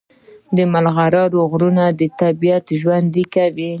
د مرغانو غږونه طبیعت ژوندی کوي